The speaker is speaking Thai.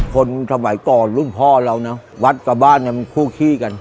คนสมัยก่อนรุ่นพ่อเรานะวัดกับบ้านเนี่ยมันคู่ขี้กัน